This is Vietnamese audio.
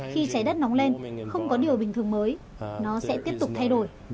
khi trái đất nóng lên không có điều bình thường mới nó sẽ tiếp tục thay đổi